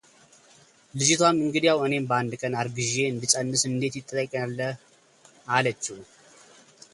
ልጅቷም እንግዲያው እኔም በአንድ ቀን አርግዤ እንድፀንስ እንዴት ትጠይቀኛለህ አለችው፡፡